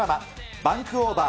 バンクオーバー！